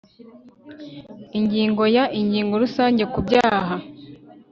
ingingo ya ingingo rusange ku byaha